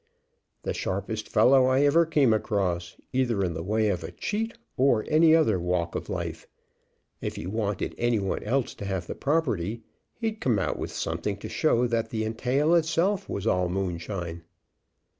"The sharpest fellow I ever came across, either in the way of a cheat or in any other walk of life. If he wanted any one else to have the property, he'd come out with something to show that the entail itself was all moonshine."